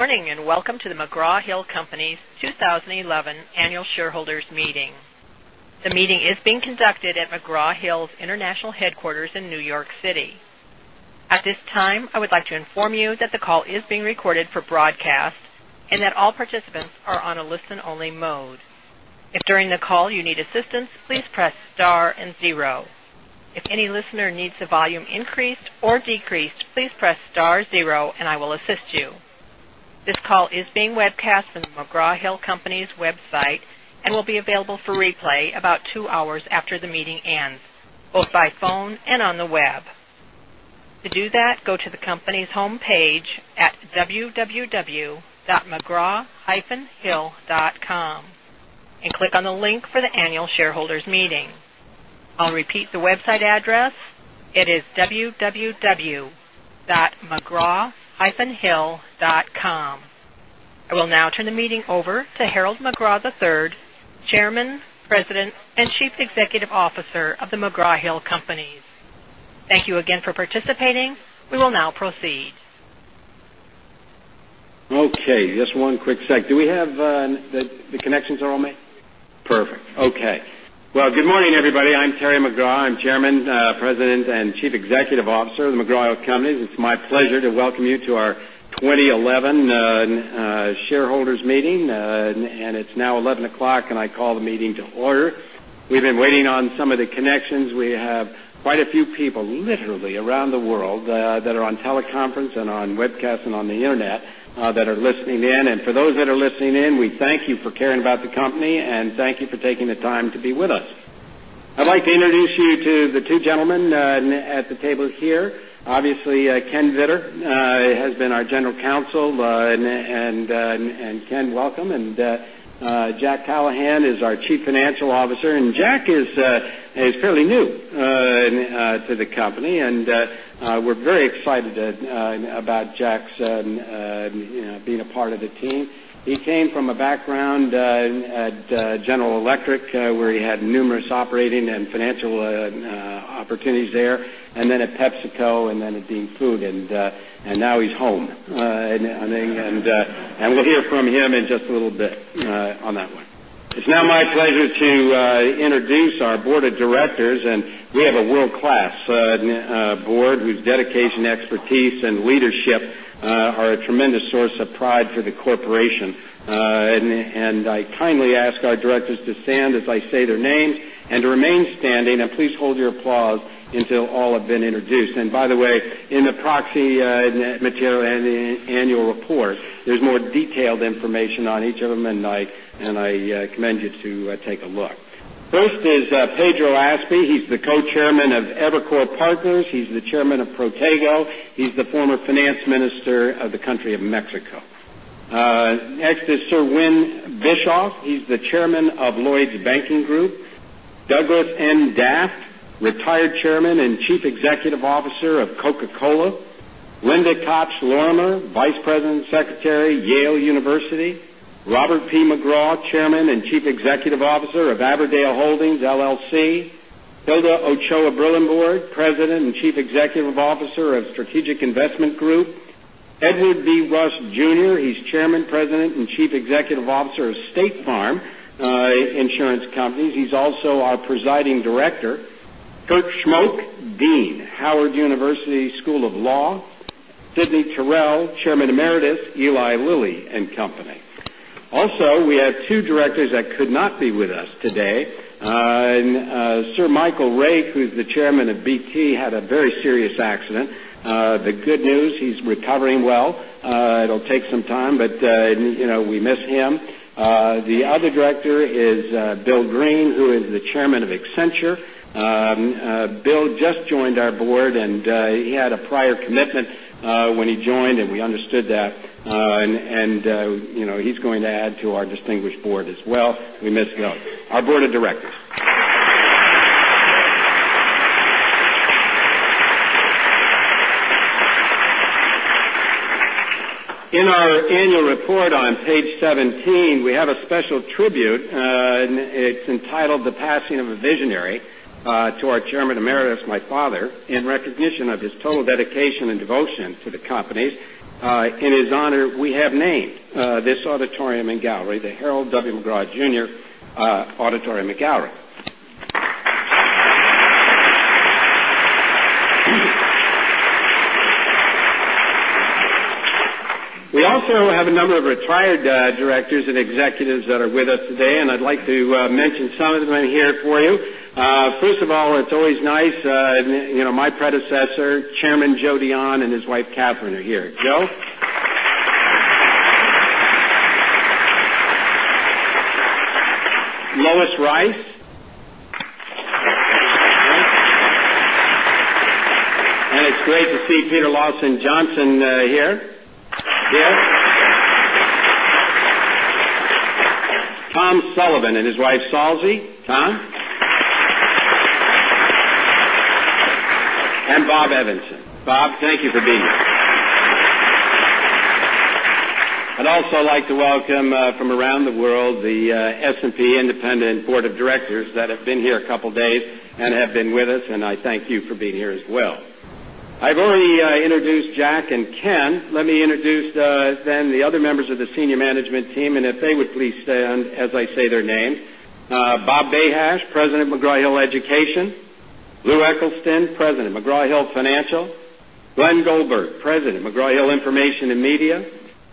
Morning and welcome to The McGraw Hill Companies, Inc. 2011 Annual Shareholders Meeting. The meeting is being conducted at McGraw Hill's International Headquarters in New York City. At this time, I would like to inform you that the call is being recorded for broadcast and that all participants are on a listen-only mode. If during the call you need assistance, please press star and zero. If any listener needs the volume increased or decreased, please press star zero and I will assist you. This call is being webcast from The McGraw Hill Companies' website and will be available for replay about two hours after the meeting ends, both by phone and on the web. To do that, go to the company's homepage at www.mcgraw-hill.com and click on the link for the Annual Shareholders Meeting. I'll repeat the website address. It is www.mcgraw-hill.com. I will now turn the meeting over to Harold McGraw III, Chairman, President, and Chief Executive Officer of The McGraw Hill Companies. Thank you again for participating. We will now proceed. Okay, just one quick sec. Do we have the connections are on me? Perfect. Okay. Good morning, everybody. I'm Harold McGraw III. I'm Chairman, President, and Chief Executive Officer of The McGraw Hill Companies. It's my pleasure to welcome you to our 2011 Shareholders Meeting. It's now 11:00 A.M., and I call the meeting to order. We've been waiting on some of the connections. We have quite a few people, literally, around the world that are on teleconference and on webcast and on the internet that are listening in. For those that are listening in, we thank you for caring about the company and thank you for taking the time to be with us. I'd like to introduce you to the two gentlemen at the table here. Obviously, Ken Vittor has been our General Counsel. Ken, welcome. Jack Callahan is our Chief Financial Officer. Jack is fairly new to the company, and we're very excited about Jack being a part of the team. He came from a background at General Electric, where he had numerous operating and financial opportunities there, and then at PepsiCo and then at Dean Foods. Now he's home. We'll hear from him in just a little bit on that one. It's now my pleasure to introduce our Board of Directors. We have a world-class board whose dedication, expertise, and leadership are a tremendous source of pride for the corporation. I kindly ask our Directors to stand as I say their names and to remain standing and please hold your applause until all have been introduced. By the way, in the proxy material and the annual report, there's more detailed information on each of them, and I commend you to take a look. First is Pedro Aspe. He's the Co-Chairman of Evercore Partners. He's the Chairman of Protego. He's the former Finance Minister of the country of Mexico. Next is Sir Win Bischoff. He's the Chairman of Lloyd's Banking Group. Douglas N. Daft, retired Chairman and Chief Executive Officer of Coca-Cola. Linda Koch Lorimer, Vice President and Secretary, Yale University. Robert P. McGraw, Chairman and Chief Executive Officer of Aberdale Holdings, LLC. Hilda Ochoa-Brillembourg, President and Chief Executive Officer of Strategic Investment Group. Edward B. Rust, Jr. He's Chairman, President, and Chief Executive Officer of State Farm Insurance Companies. He's also our Presiding Director. Kirk Schmoke, Dean, Howard University School of Law. Sidney Taurel, Chairman Emeritus, Eli Lilly and Company. Also, we have two Directors that could not be with us today. Sir Michael Rake, who's the Chairman of BT, had a very serious accident. The good news, he's recovering well. It'll take some time, but, you know, we miss him. The other Director is Bill Green, who is the Chairman of Accenture. Bill just joined our Board, and he had a prior commitment when he joined, and we understood that. You know, he's going to add to our distinguished Board as well. We miss Bill. Our Board of Directors. In our annual report on page 17, we have a special tribute. It's entitled The Passing of a Visionary, to our Chairman Emeritus, my father, in recognition of his total dedication and devotion to the companies. In his honor, we have named this auditorium and gallery the Harold W. McGraw, Jr., Auditorium and Gallery. We also have a number of retired Directors and Executives that are with us today, and I'd like to mention some of them here for you. First of all, it's always nice and, you know, my predecessor, Chairman Joe DeAnn and his wife, Katherine, are here. Joe? Lois Rice? It's great to see Peter Lawson-Johnson here. Yeah? Tom Sullivan and his wife, Salsie. Tom? And Bob Evans. Bob, thank you for being here. I'd also like to welcome, from around the world, the S&P Independent Board of Directors that have been here a couple of days and have been with us, and I thank you for being here as well. I've already introduced Jack and Ken. Let me introduce then the other members of the Senior Management Team, and if they would please stand as I say their names. Bob Bahash, President, McGraw Hill Education. Lou Eccleston, President, McGraw Hill Financial. Glenn Goldberg, President, McGraw Hill Information & Media.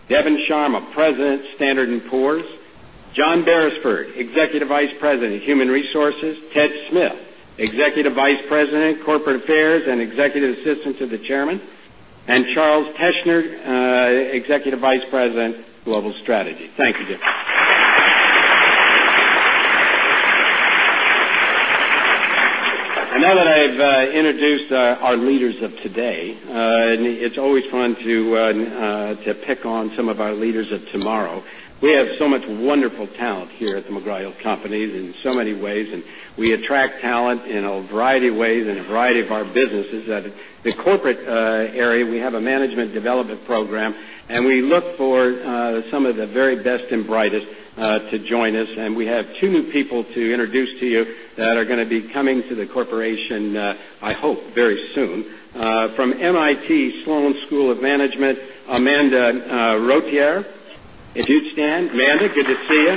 Devin Sharma, President, Standard & Poor’s. John Berisford, Executive Vice President, Human Resources. Ted Smyth, Executive Vice President, Corporate Affairs and Executive Assistant to the Chairman. And Charles Teschner, Executive Vice President, Global Strategy. Thank you, Jeff. Now that I've introduced our leaders of today, it's always fun to pick on some of our leaders of tomorrow. We have so much wonderful talent here at The McGraw Hill Companies in so many ways, and we attract talent in a variety of ways in a variety of our businesses. In the corporate area, we have a management development program, and we look for some of the very best and brightest to join us. We have two new people to introduce to you that are going to be coming to the corporation, I hope, very soon. From MIT Sloan School of Management, Amanda Rotier. If you'd stand. Amanda, good to see you.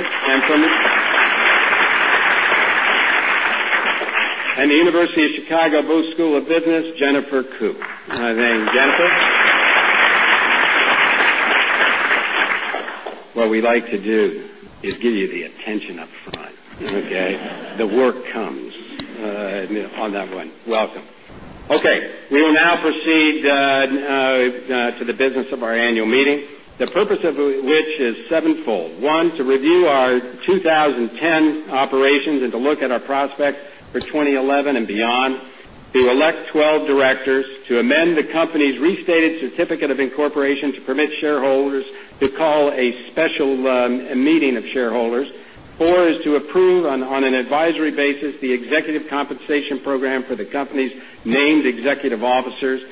From the University of Chicago Booth School of Business, Jennifer Ku. Thank you, Jennifer. What we like to do is give you the attention up front, okay? The work comes on that one. Welcome. We will now proceed to the business of our annual meeting, the purpose of which is sevenfold. One, to review our 2010 operations and to look at our prospect for 2011 and beyond. To elect 12 Directors. To amend the company's restated certificate of incorporation to permit shareholders to call a special meeting of shareholders. Four, is to approve on an advisory basis the executive compensation program for the company's named executive officers.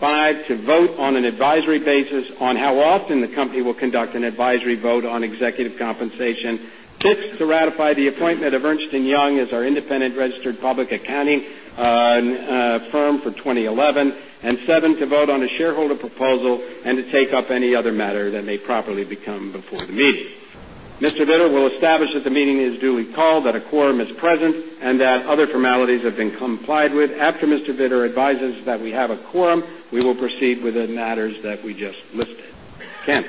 Five, to vote on an advisory basis on how often the company will conduct an advisory vote on executive compensation. Six, to ratify the appointment of Ernst & Young LLP as our independent registered public accounting firm for 2011. Seven, to vote on a shareholder proposal and to take up any other matter that may properly come before the meeting. Mr. Vittor will establish that the meeting is duly called, that a quorum is present, and that other formalities have been complied with. After Mr. Vittor advises that we have a quorum, we will proceed with the matters that we just listed. Ken.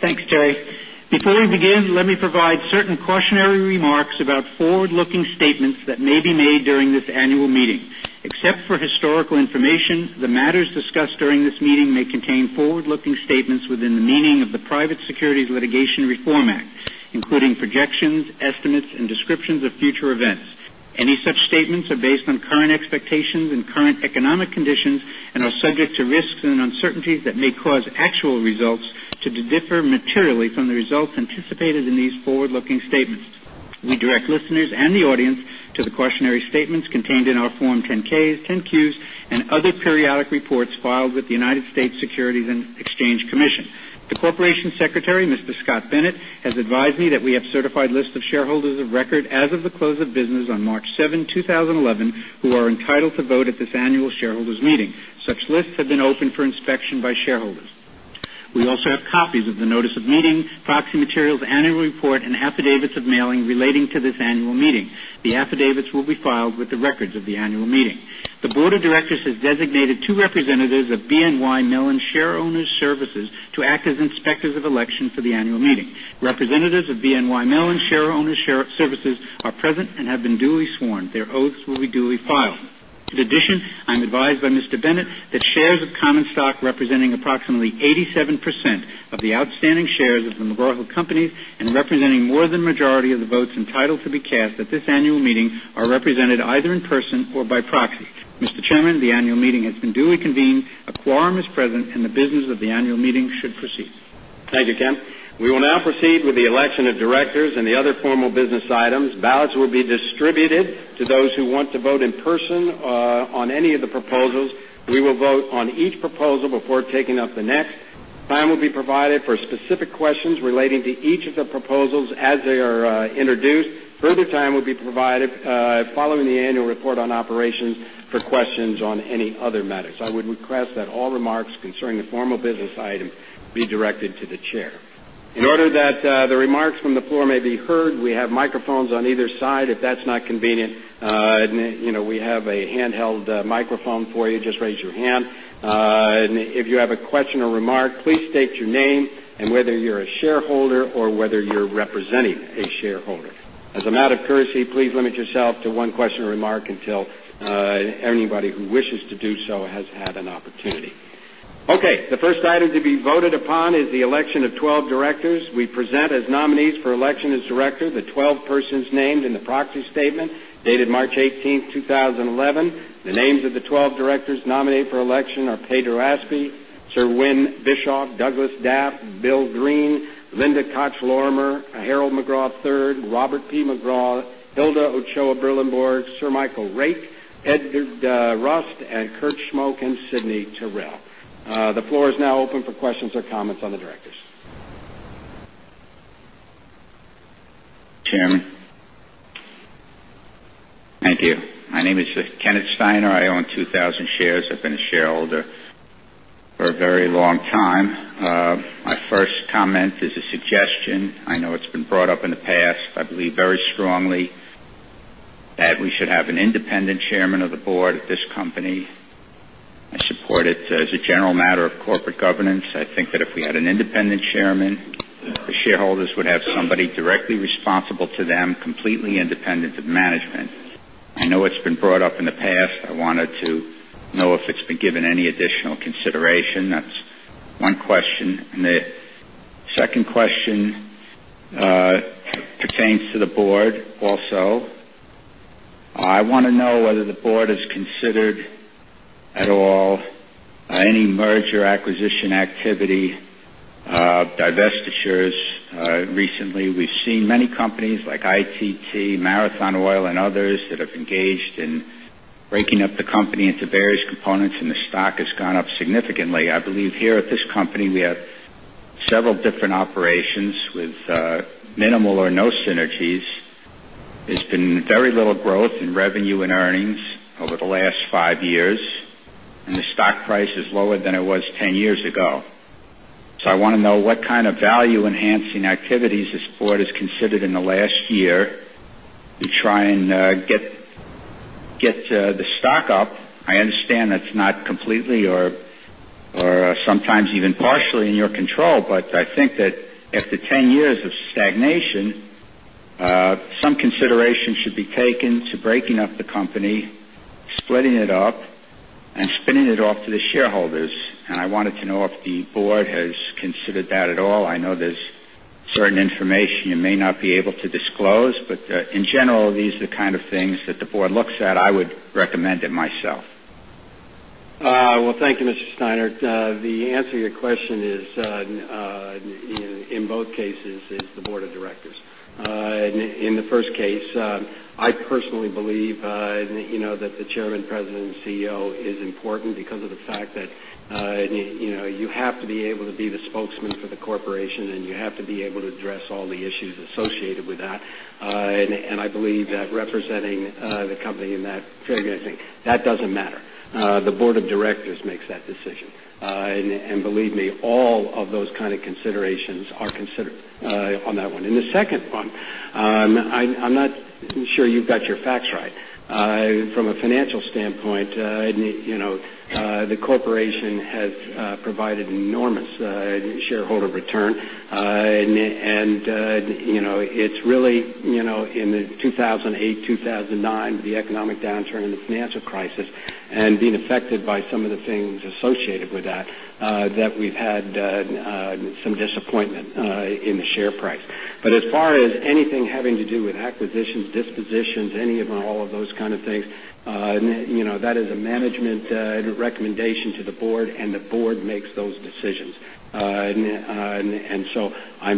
Thanks, Terry. Before we begin, let me provide certain cautionary remarks about forward-looking statements that may be made during this annual meeting. Except for historical information, the matters discussed during this meeting may contain forward-looking statements within the meaning of the Private Securities Litigation Reform Act, including projections, estimates, and descriptions of future events. Any such statements are based on current expectations and current economic conditions and are subject to risks and uncertainties that may cause actual results to differ materially from the results anticipated in these forward-looking statements. We direct listeners and the audience to the cautionary statements contained in our Form 10-Ks, 10-Qs, and other periodic reports filed with the U.S. Securities and Exchange Commission. The Corporate Secretary, Mr. Scott Bennett, has advised me that we have certified lists of shareholders of record as of the close of business on March 7, 2011, who are entitled to vote at this annual shareholders' meeting. Such lists have been opened for inspection by shareholders. We also have copies of the notice of meeting, proxy materials, annual report, and affidavits of mailing relating to this annual meeting. The affidavits will be filed with the records of the annual meeting. The Board of Directors has designated two representatives of BNY Mellon Share Owners Services to act as inspectors of election for the annual meeting. Representatives of BNY Mellon Share Owners Services are present and have been duly sworn. Their oaths will be duly filed. In addition, I'm advised by Mr. Bennett that shares of common stock representing approximately 87% of the outstanding shares of S&P Global and representing more than the majority of the votes entitled to be cast at this annual meeting are represented either in person or by proxy. Mr. Chairman, the annual meeting has been duly convened. A quorum is present, and the business of the annual meeting should proceed. Thank you, Ken. We will now proceed with the election of Directors and the other formal business items. Ballots will be distributed to those who want to vote in person on any of the proposals. We will vote on each proposal before taking up the next. Time will be provided for specific questions relating to each of the proposals as they are introduced. Further time will be provided following the annual report on operations for questions on any other matters. I would request that all remarks concerning the formal business items be directed to the Chair. In order that the remarks from the floor may be heard, we have microphones on either side. If that's not convenient, we have a handheld microphone for you. Just raise your hand. If you have a question or remark, please state your name and whether you're a shareholder or whether you're representing a shareholder. As a matter of courtesy, please limit yourself to one question or remark until anybody who wishes to do so has had an opportunity. Okay. The first item to be voted upon is the election of 12 Directors. We present as nominees for election as Director the 12 persons named in the proxy statement dated March 18, 2011. The names of the 12 Directors nominated for election are: Pedro Aspe, Sir Win Bischoff, Douglas N. Daft, Bill Green, Linda Koch Lorimer, Harold McGraw III, Robert P. McGraw, Hilda Ochoa-Brillembourg, Sir Michael Rake, Edward B. Rust, Jr., Kirk Schmoke, and Sidney Taurel. The floor is now open for questions or comments on the Directors. Thank you. My name is Kenneth Steiner. I own 2,000 shares. I've been a shareholder for a very long time. My first comment is a suggestion. I know it's been brought up in the past, I believe very strongly that we should have an independent Chairman of the Board at this company. I support it as a general matter of corporate governance. I think that if we had an independent Chairman, the shareholders would have somebody directly responsible to them, completely independent of management. I know it's been brought up in the past. I wanted to know if it's been given any additional consideration. That's one question. The second question pertains to the Board also. I want to know whether the Board has considered at all any merger acquisition activity or divestitures recently. We've seen many companies like ITT, Marathon Oil, and others that have engaged in breaking up the company into various components, and the stock has gone up significantly. I believe here at this company, we have several different operations with minimal or no synergies. There's been very little growth in revenue and earnings over the last five years, and the stock price is lower than it was 10 years ago. I want to know what kind of value-enhancing activities this Board has considered in the last year to try and get the stock up. I understand that's not completely or sometimes even partially in your control, but I think that after 10 years of stagnation, some consideration should be taken to breaking up the company, splitting it up, and spinning it off to the shareholders. I wanted to know if the Board has considered that at all. I know there's certain information you may not be able to disclose, but in general, these are the kind of things that the Board looks at. I would recommend it myself. Thank you, Mr. Steiner. The answer to your question in both cases is the Board of Directors. In the first case, I personally believe that the Chairman, President, and CEO is important because you have to be able to be the spokesman for the corporation, and you have to be able to address all the issues associated with that. I believe that representing the company in that, that doesn't matter. The Board of Directors makes that decision. Believe me, all of those kinds of considerations are considered on that one. In the second one, I'm not sure you've got your facts right. From a financial standpoint, you know the corporation has provided enormous shareholder return. You know it's really, you know in 2008, 2009, the economic downturn and the financial crisis and being affected by some of the things associated with that, that we've had some disappointment in the share price. As far as anything having to do with acquisitions, dispositions, any of all of those kinds of things, you know that is a management recommendation to the board, and the board makes those decisions. I'm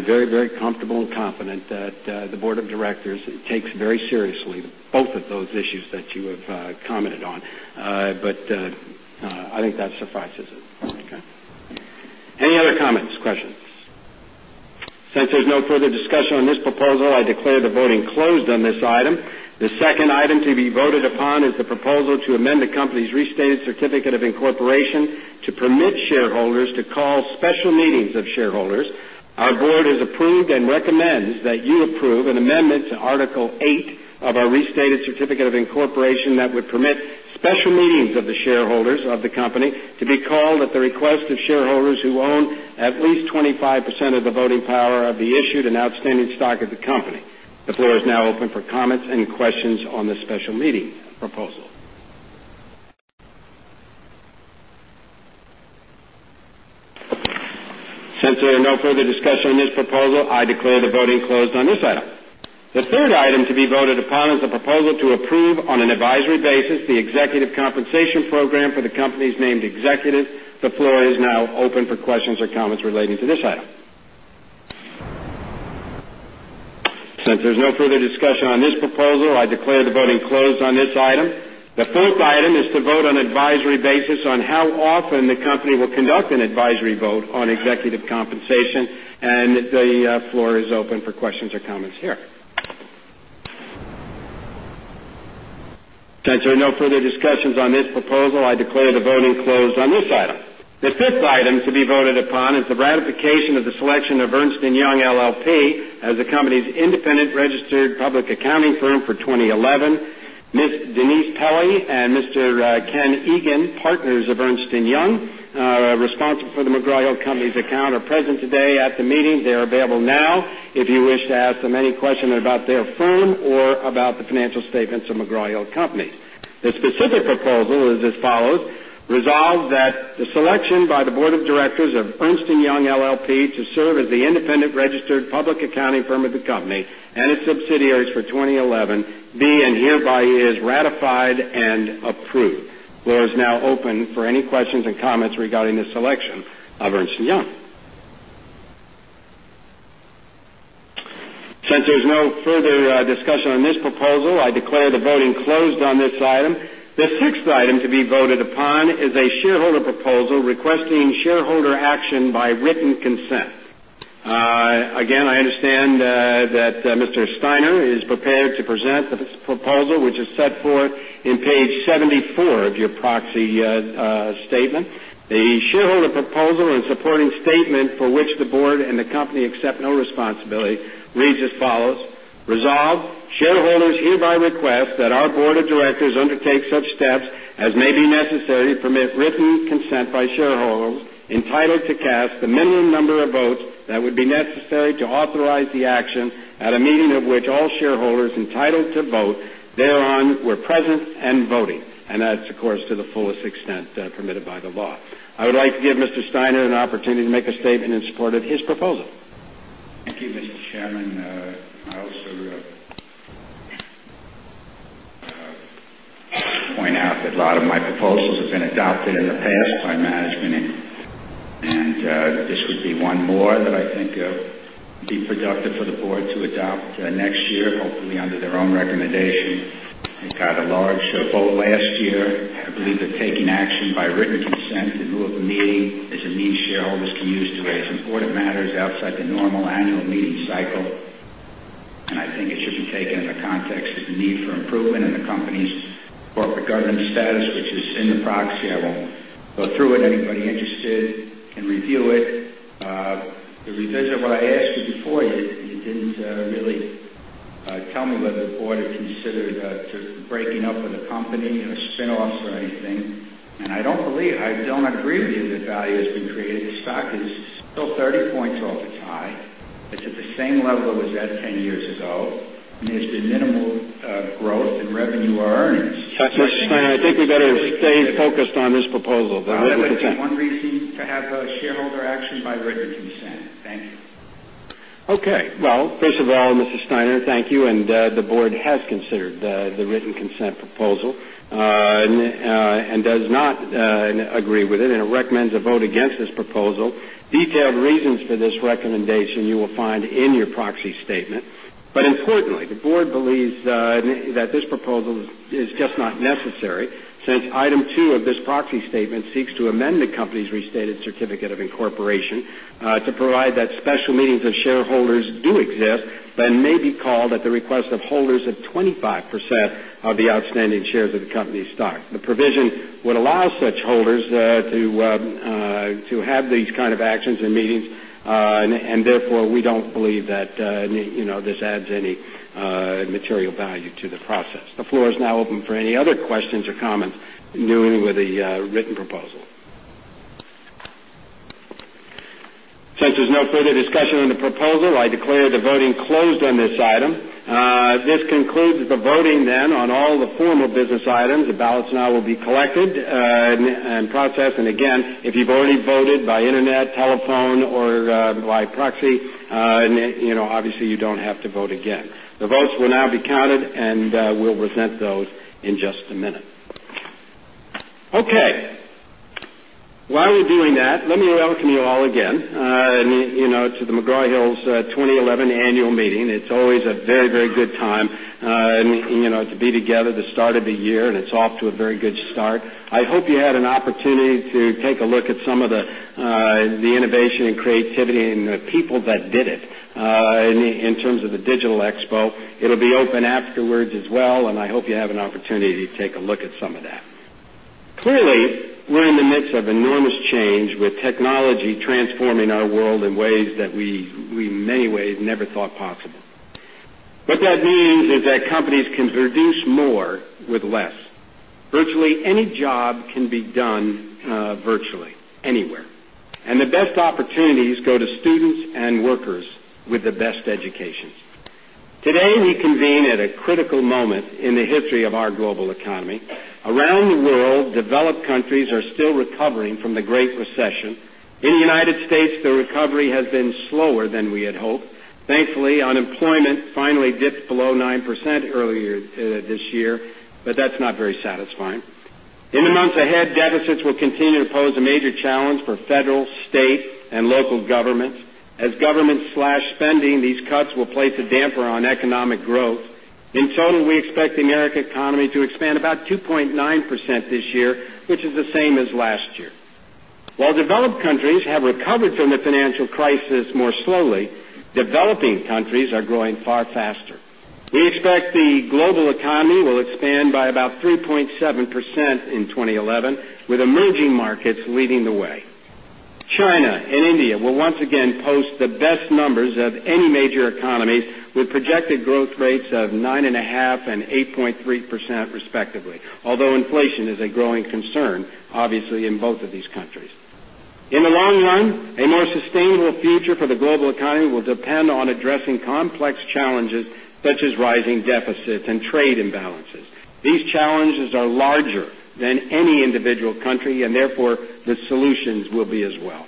very, very comfortable and confident that the Board of Directors takes very seriously both of those issues that you have commented on. I think that suffices. Okay. Any other comments? Questions? Since there's no further discussion on this proposal, I declare the voting closed on this item. The second item to be voted upon is the proposal to amend the company's restated certificate of incorporation to permit shareholders to call special meetings of shareholders. Our board has approved and recommends that you approve an amendment to Article 8 of our restated certificate of incorporation that would permit special meetings of the shareholders of the company to be called at the request of shareholders who own at least 25% of the voting power of the issued and outstanding stock of the company. The floor is now open for comments and questions on the special meeting proposal. Since there's no further discussion on this proposal, I declare the voting closed on this item. The third item to be voted upon is the proposal to approve on an advisory basis the executive compensation program for the company's named executives. The floor is now open for questions or comments relating to this item. Since there's no further discussion on this proposal, I declare the voting closed on this item. The fourth item is to vote on an advisory basis on how often the company will conduct an advisory vote on executive compensation. The floor is open for questions or comments here. Since there's no further discussion on this proposal, I declare the voting closed on this item. The fifth item to be voted upon is the ratification of the selection of Ernst & Young LLP as the company's independent registered public accounting firm for 2011. Ms. Denise Pelley and Mr. Ken Egan, partners of Ernst & Young, responsible for The McGraw Hill Companies account, are present today at the meeting. They are available now if you wish to ask them any question about their firm or about the financial statements of The McGraw Hill Companies. The specific proposal is as follows: resolve that the selection by the Board of Directors of Ernst & Young LLP to serve as the independent registered public accounting firm of the company and its subsidiaries for 2011 be and hereby is ratified and approved. The floor is now open for any questions and comments regarding the selection of Ernst & Young. Since there's no further discussion on this proposal, I declare the voting closed on this item. The sixth item to be voted upon is a shareholder proposal requesting shareholder action by written consent. I understand that Mr. Kenneth Steiner is prepared to present this proposal, which is set forth on page 74 of your proxy statement. The shareholder proposal and supporting statement, for which the board and the company accept no responsibility, reads as follows: resolves, shareholders hereby request that our Board of Directors undertake such steps as may be necessary to permit written consent by shareholders entitled to cast the minimum number of votes that would be necessary to authorize the action at a meeting of which all shareholders entitled to vote thereon were present and voting. That is, of course, to the fullest extent permitted by the law. I would like to give Mr. Steiner an opportunity to make a statement in support of his proposal. Thank you, Mr. Chairman. I also point out that a lot of my proposals have been adopted in the past by management, and this would be one more that I think would be productive for the Board to adopt next year, hopefully under their own recommendation. It got a large vote last year. I believe that taking action by written consent in a local meeting is a means shareholders can use to raise important matters outside the normal annual meeting cycle. I think it should be taken in the context of the need for improvement in the company's corporate governance status, which is in the proxy. I won't go through it. Anybody interested can review it. The revision of what I asked you before is you didn't really tell me whether the Board had considered breaking up with the company or spin-offs or anything. I don't believe, I don't agree with you that value has been created. The stock is still 30 points over time. It's at the same level it was at 10 years ago, and there's been minimal growth in revenue or earnings. Mr. Steiner, I think we better stay focused on this proposal. That was one reason to have a shareholder action by written consent. Thank you. Okay. First of all, Mr. Steiner, thank you. The Board has considered the written consent proposal and does not agree with it and recommends a vote against this proposal. Detailed reasons for this recommendation you will find in your proxy statement. Importantly, the Board believes that this proposal is just not necessary since item two of this proxy statement seeks to amend the company's restated certificate of incorporation to provide that special meetings of shareholders do exist but may be called at the request of holders of 25% of the outstanding shares of the company's stock. The provision would allow such holders to have these kinds of actions and meetings, and therefore, we don't believe that this adds any material value to the process. The floor is now open for any other questions or comments newly with the written proposal. Since there's no further discussion on the proposal, I declare the voting closed on this item. This concludes the voting on all the formal business items. The ballots now will be collected and processed. If you've already voted by internet, telephone, or by proxy, you obviously don't have to vote again. The votes will now be counted, and we'll present those in just a minute. Okay. While we're doing that, let me welcome you all again to McGraw Hill's 2011 annual meeting. It's always a very, very good time to be together, the start of the year, and it's off to a very good start. I hope you had an opportunity to take a look at some of the innovation and creativity and the people that did it in terms of the digital expo. It'll be open afterwards as well, and I hope you have an opportunity to take a look at some of that. Clearly, we're in the midst of enormous change with technology transforming our world in ways that we, in many ways, never thought possible. What that means is that companies can produce more with less. Virtually any job can be done virtually, anywhere. The best opportunities go to students and workers with the best educations. Today, we convene at a critical moment in the history of our global economy. Around the world, developed countries are still recovering from the Great Recession. In the U.S., the recovery has been slower than we had hoped. Thankfully, unemployment finally dipped below 9% earlier this year, but that's not very satisfying. In the months ahead, deficits will continue to pose a major challenge for federal, state, and local governments. As governments slash spending, these cuts will place a damper on economic growth. In total, we expect the American economy to expand about 2.9% this year, which is the same as last year. While developed countries have recovered from the financial crisis more slowly, developing countries are growing far faster. We expect the global economy will expand by about 3.7% in 2011, with emerging markets leading the way. China and India will once again post the best numbers of any major economies, with projected growth rates of 9.5% and 8.3%, respectively, although inflation is a growing concern, obviously, in both of these countries. In the long run, a more sustainable future for the global economy will depend on addressing complex challenges such as rising deficits and trade imbalances. These challenges are larger than any individual country, and therefore, the solutions will be as well.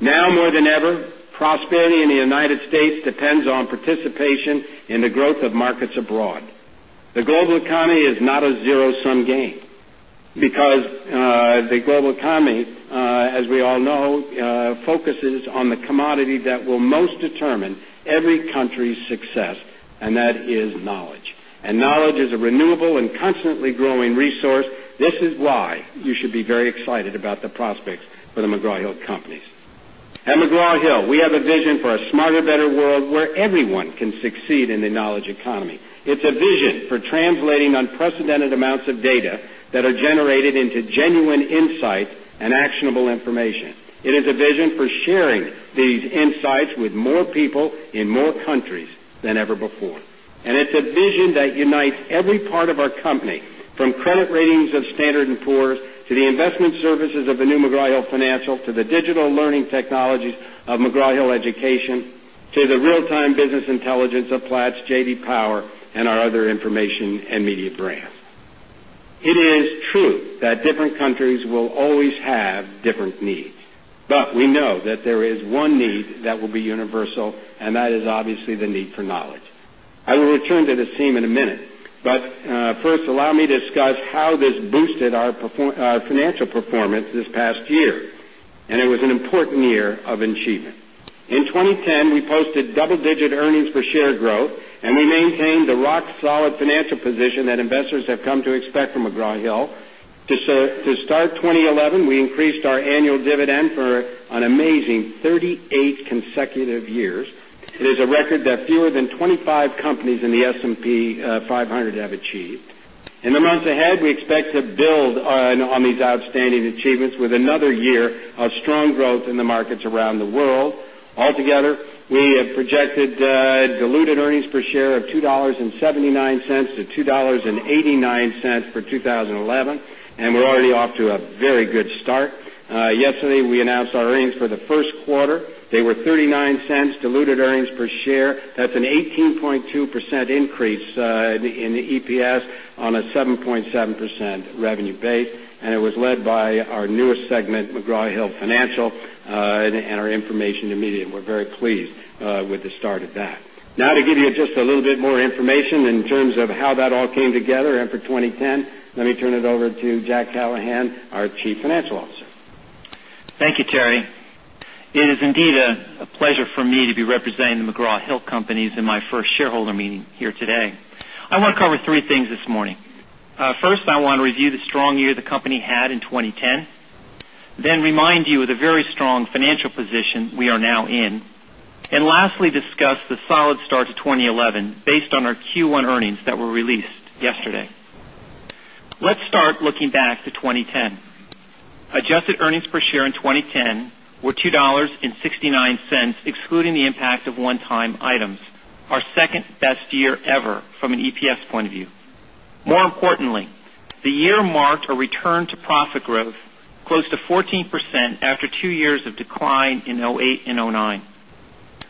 Now more than ever, prosperity in the U.S. depends on participation in the growth of markets abroad. The global economy is not a zero-sum game because the global economy, as we all know, focuses on the commodity that will most determine every country's success, and that is knowledge. Knowledge is a renewable and constantly growing resource. This is why you should be very excited about the prospects for McGraw Hill Companies. At McGraw Hill, we have a vision for a smarter, better world where everyone can succeed in the knowledge economy. It's a vision for translating unprecedented amounts of data that are generated into genuine insights and actionable information. It is a vision for sharing these insights with more people in more countries than ever before. It's a vision that unites every part of our company, from credit ratings of Standard & Poor’s to the investment services of the new McGraw Hill Financial, to the digital learning technologies of McGraw Hill Education, to the real-time business intelligence of Platts, J.D. Power, and our other information and media brands. It is true that different countries will always have different needs. We know that there is one need that will be universal, and that is obviously the need for knowledge. I will return to this theme in a minute. First, allow me to discuss how this boosted our financial performance this past year. It was an important year of achievement. In 2010, we posted double-digit earnings per share growth, and we maintained the rock-solid financial position that investors have come to expect from McGraw Hill. To start 2011, we increased our annual dividend for an amazing 38 consecutive years. It is a record that fewer than 25 companies in the S&P 500 have achieved. In the months ahead, we expect to build on these outstanding achievements with another year of strong growth in the markets around the world. Altogether, we have projected diluted earnings per share of $2.79 to $2.89 for 2011. We're already off to a very good start. Yesterday, we announced our earnings for the first quarter. They were $0.39 diluted earnings per share. That's an 18.2% increase in the EPS on a 7.7% revenue base. It was led by our newest segment, McGraw Hill Financial, and our Information & Media. We're very pleased with the start of that. Now, to give you just a little bit more information in terms of how that all came together and for 2010, let me turn it over to Jack Callahan, our Chief Financial Officer. Thank you, Terry. It is indeed a pleasure for me to be representing The McGraw Hill Companies in my first shareholder meeting here today. I want to cover three things this morning. First, I want to review the strong year the company had in 2010, then remind you of the very strong financial position we are now in, and lastly, discuss the solid start to 2011 based on our Q1 earnings that were released yesterday. Let's start looking back to 2010. Adjusted earnings per share in 2010 were $2.69, excluding the impact of one-time items. Our second-best year ever from an EPS point of view. More importantly, the year marked a return to profit growth close to 14% after two years of decline in 2008 and 2009.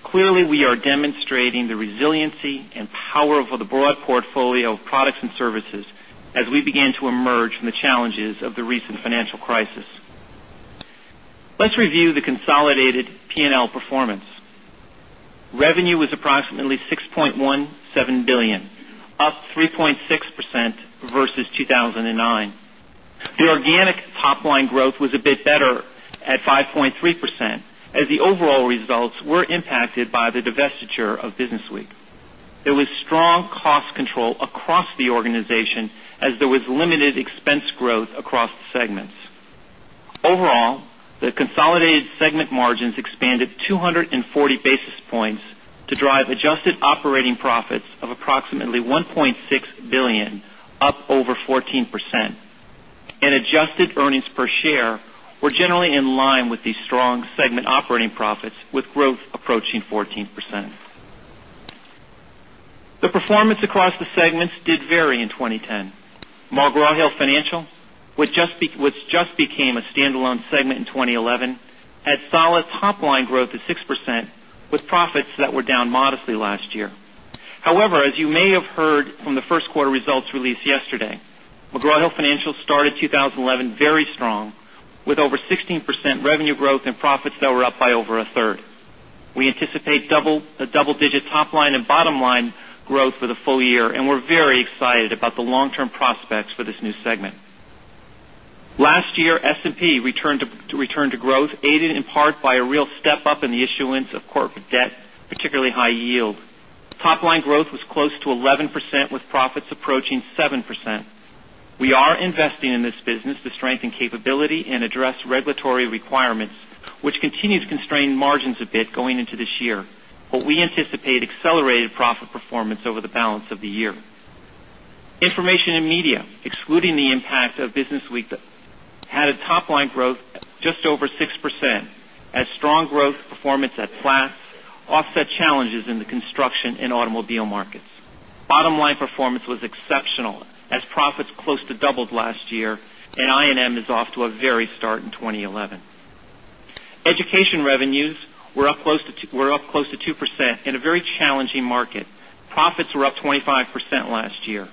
Clearly, we are demonstrating the resiliency and power of the broad portfolio of products and services as we began to emerge from the challenges of the recent financial crisis. Let's review the consolidated P&L performance. Revenue was approximately $6.17 billion, up 3.6% versus 2009. The organic top-line growth was a bit better at 5.3% as the overall results were impacted by the divestiture of BusinessWeek. There was strong cost control across the organization as there was limited expense growth across segments. Overall, the consolidated segment margins expanded 240 basis points to drive adjusted operating profits of approximately $1.6 billion, up over 14%. Adjusted earnings per share were generally in line with these strong segment operating profits with growth approaching 14%. The performance across the segments did vary in 2010. McGraw Hill Financial, which just became a standalone segment in 2011, had solid top-line growth at 6% with profits that were down modestly last year. However, as you may have heard from the first quarter results released yesterday, McGraw Hill Financial started 2011 very strong with over 16% revenue growth and profits that were up by over a third. We anticipate a double-digit top-line and bottom-line growth for the full year, and we're very excited about the long-term prospects for this new segment. Last year, Standard & Poor’s returned to growth, aided in part by a real step up in the issuance of corporate debt, particularly high yield. Top-line growth was close to 11% with profits approaching 7%. We are investing in this business to strengthen capability and address regulatory requirements, which continues to constrain margins a bit going into this year, but we anticipate accelerated profit performance over the balance of the year. Information & Media, excluding the impact of BusinessWeek, had a top-line growth just over 6%, as strong growth performance at Platts offset challenges in the construction and automobile markets. Bottom-line performance was exceptional, as profits close to doubled last year, and I&M is off to a very strong start in 2011. Education revenues were up close to 2% in a very challenging market. Profits were up 25% last year.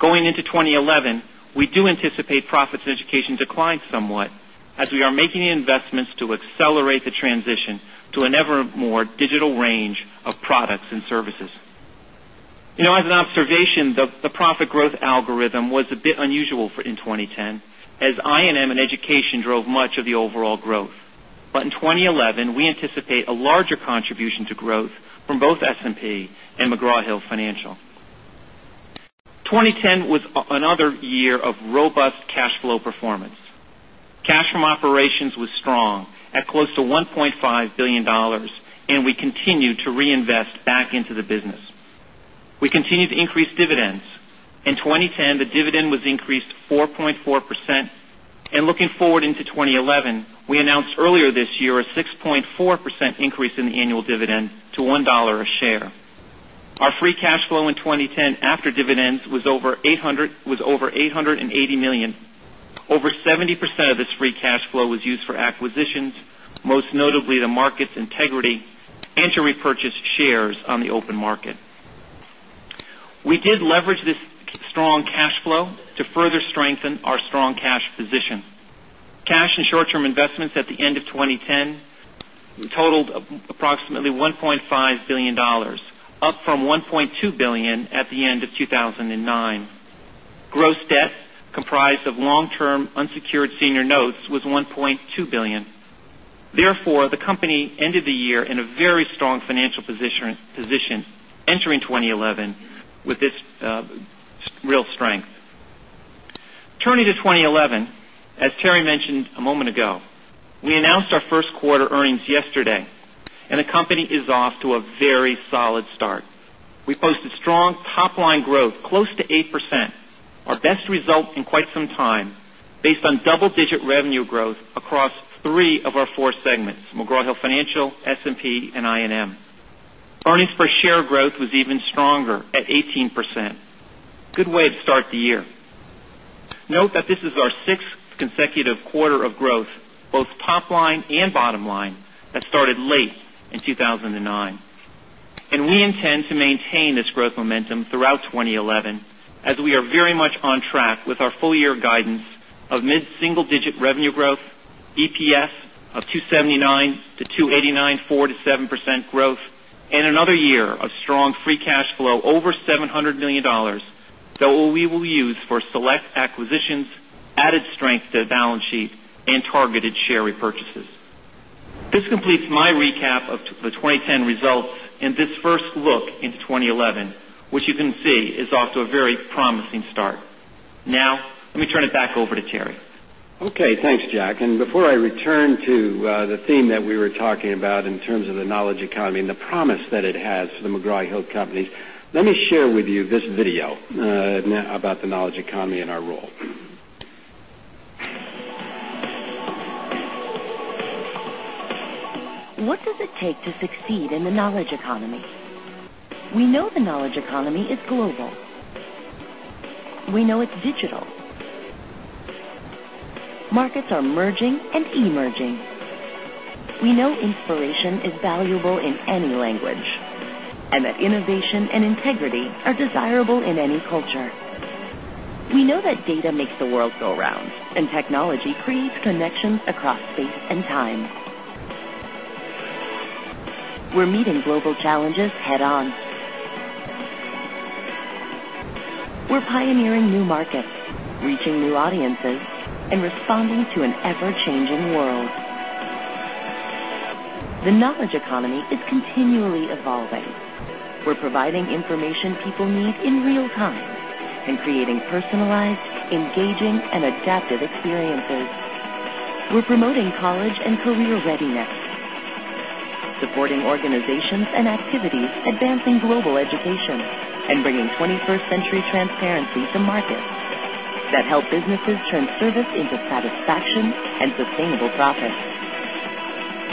Going into 2011, we do anticipate profits in Education declining somewhat as we are making investments to accelerate the transition to an ever more digital range of products and services. As an observation, the profit growth algorithm was a bit unusual in 2010, as I&M and Education drove much of the overall growth. In 2011, we anticipate a larger contribution to growth from both Standard & Poor’s and McGraw Hill Financial. 2010 was another year of robust cash flow performance. Cash from operations was strong at close to $1.5 billion, and we continued to reinvest back into the business. We continued to increase dividends. In 2010, the dividend was increased 4.4%. Looking forward into 2011, we announced earlier this year a 6.4% increase in the annual dividend to $1 a share. Our free cash flow in 2010 after dividends was over $880 million. Over 70% of this free cash flow was used for acquisitions, most notably The Markets Integrity, and to repurchase shares on the open market. We did leverage this strong cash flow to further strengthen our strong cash positions. Cash and short-term investments at the end of 2010 totaled approximately $1.5 billion, up from $1.2 billion at the end of 2009. Gross debt comprised of long-term unsecured senior notes was $1.2 billion. Therefore, the company ended the year in a very strong financial position entering 2011 with this real strength. Turning to 2011, as Terry mentioned a moment ago, we announced our first quarter earnings yesterday, and the company is off to a very solid start. We posted strong top-line growth, close to 8%, our best result in quite some time based on double-digit revenue growth across three of our four segments: McGraw Hill Financial, Standard & Poor’s, and I&M. Earnings per share growth was even stronger at 18%. Good way to start the year. Note that this is our sixth consecutive quarter of growth, both top-line and bottom-line, that started late in 2009. We intend to maintain this growth momentum throughout 2011 as we are very much on track with our full-year guidance of mid-single-digit revenue growth, EPS of $2.79-$2.89, 4% to 7% growth, and another year of strong free cash flow over $700 million that we will use for select acquisitions, added strength to the balance sheet, and targeted share repurchases. This completes my recap of the 2010 result and this first look into 2011, which you can see is off to a very promising start. Now, let me turn it back over to Terry. Okay. Thanks, Jack. Before I return to the theme that we were talking about in terms of the knowledge economy and the promise that it has for McGraw Hill Companies, let me share with you this video about the knowledge economy and our role. What does it take to succeed in the knowledge economy? We know the knowledge economy is global. We know it's digital. Markets are merging and emerging. We know inspiration is valuable in any language, and that innovation and integrity are desirable in any culture. We know that data makes the world go round, and technology creates connections across space and time. We're meeting global challenges head-on. We're pioneering new markets, reaching new audiences, and responding to an ever-changing world. The knowledge economy is continually evolving. We're providing information people need in real time and creating personalized, engaging, and adaptive experiences. We're promoting college and career readiness, supporting organizations and activities advancing global education, and bringing 21st-century transparency to markets that help businesses turn service into satisfaction and sustainable profit.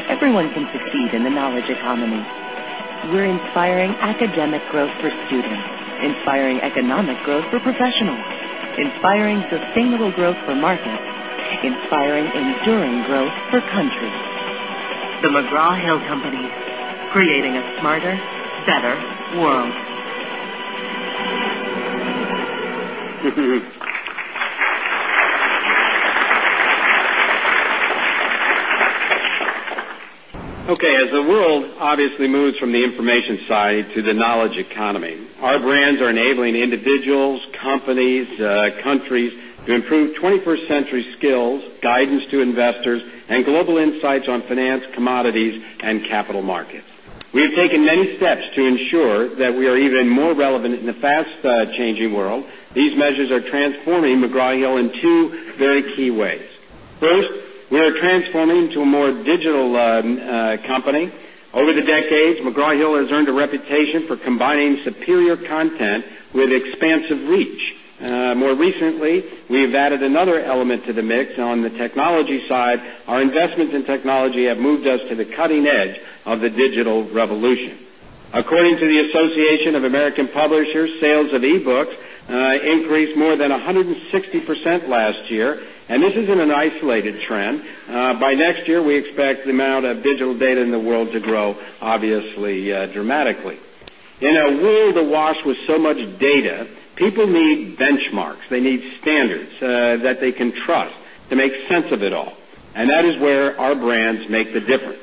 Everyone can succeed in the knowledge economy. We're inspiring academic growth for students, inspiring economic growth for professionals, inspiring sustainable growth for markets, inspiring enduring growth for countries. The McGraw Hill Company: Creating a smarter, better world. Okay. As the world obviously moves from the information side to the knowledge economy, our brands are enabling individuals, companies, and countries to improve 21st-century skills, guidance to investors, and global insights on finance, commodities, and capital markets. We have taken many steps to ensure that we are even more relevant in the fast-changing world. These measures are transforming McGraw Hill in two very key ways. First, we are transforming to a more digital company. Over the decades, McGraw Hill has earned a reputation for combining superior content with expansive reach. More recently, we have added another element to the mix. On the technology side, our investments in technology have moved us to the cutting edge of the digital revolution. According to the Association of American Publishers, sales of e-books increased more than 160% last year. This is not an isolated trend. By next year, we expect the amount of digital data in the world to grow, obviously, dramatically. In a world awash with so much data, people need benchmarks. They need standards that they can trust to make sense of it all. That is where our brands make the difference.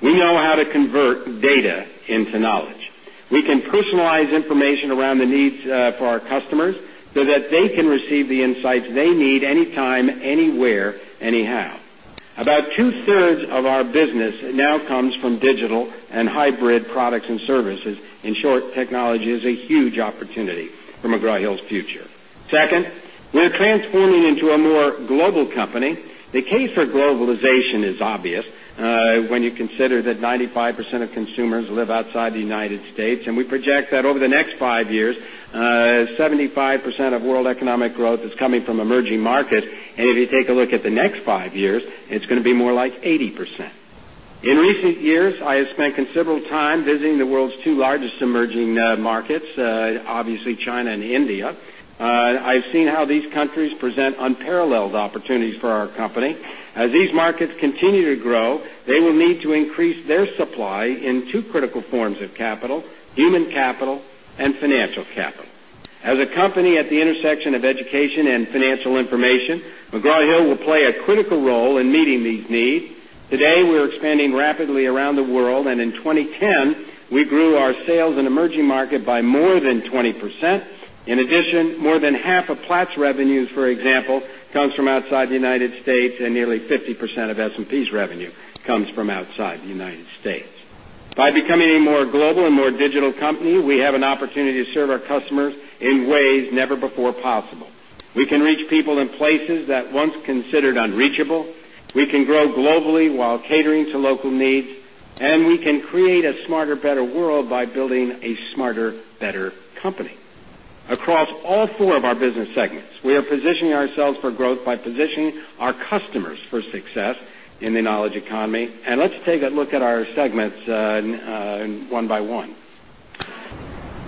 We know how to convert data into knowledge. We can personalize information around the needs for our customers so that they can receive the insights they need anytime, anywhere, anyhow. About two-thirds of our business now comes from digital and hybrid products and services. In short, technology is a huge opportunity for McGraw Hill's future. Second, we are transforming into a more global company. The case for globalization is obvious when you consider that 95% of consumers live outside the U.S. We project that over the next five years, 75% of world economic growth is coming from emerging markets. If you take a look at the next five years, it is going to be more like 80%. In recent years, I have spent considerable time visiting the world's two largest emerging markets, obviously China and India. I have seen how these countries present unparalleled opportunities for our company. As these markets continue to grow, they will need to increase their supply in two critical forms of capital: human capital and financial capital. As a company at the intersection of education and financial information, McGraw Hill will play a critical role in meeting these needs. Today, we are expanding rapidly around the world. In 2010, we grew our sales in emerging markets by more than 20%. In addition, more than half of Platts' revenues, for example, comes from outside the U.S., and nearly 50% of S&P's revenue comes from outside the U.S. By becoming a more global and more digital company, we have an opportunity to serve our customers in ways never before possible. We can reach people in places that once considered unreachable. We can grow globally while catering to local needs. We can create a smarter, better world by building a smarter, better company. Across all four of our business segments, we are positioning ourselves for growth by positioning our customers for success in the knowledge economy. Let's take a look at our segments one by one.